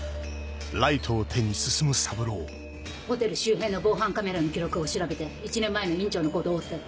ホテル周辺の防犯カメラの記録を調べて１年前の院長の行動を追って。